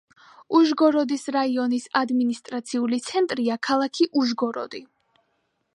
უჟგოროდის რაიონის ადმინისტრაციული ცენტრია ქალაქი უჟგოროდი.